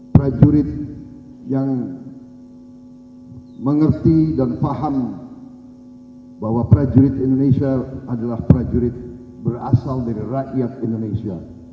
prajurit yang mengerti dan paham bahwa prajurit indonesia adalah prajurit berasal dari rakyat indonesia